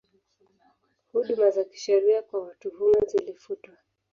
Huduma za kisheria kwa watuhumiwa zilifutwa